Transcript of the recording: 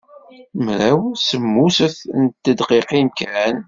Mraw semmuset n tedqiqin kan.